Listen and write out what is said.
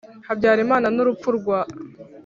Habyarimana n urupfu rwa